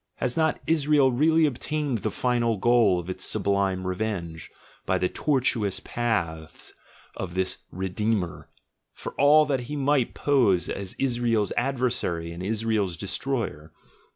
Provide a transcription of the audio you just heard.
Has not Israel really obtained the final goal of its sublime revenge, by the tortuous paths of this "Re deemer," for all that he might pose as Israel's adversary and Israel's destroyer?